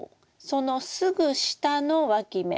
そのすぐ下のわき芽。